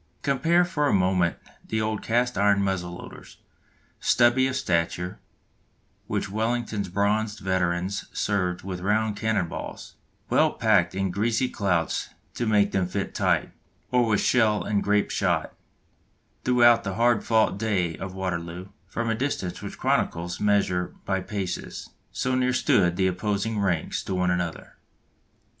Compare for a moment the old cast iron muzzle loaders, stubby of stature, which Wellington's bronzed veterans served with round cannon balls, well packed in greasy clouts to make them fit tight, or with shell and grape shot, throughout the hard fought day of Waterloo, from a distance which the chroniclers measure by paces, so near stood the opposing ranks to one another.